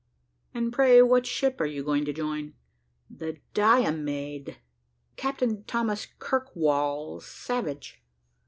"And pray what ship are you going to join?" "The Die a maid Captain Thomas Kirkwall Savage."